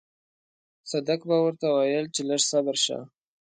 صدک به ورته ويل چې لږ صبر شه.